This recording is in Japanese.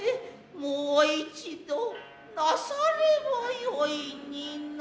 もう一度なさればよいになあ。